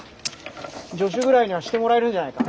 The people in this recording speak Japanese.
助手ぐらいにはしてもらえるんじゃないか。